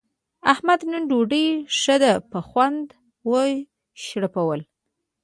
احمد نن ډوډۍ ښه په خوند و شړپوله.